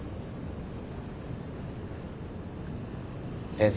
先生。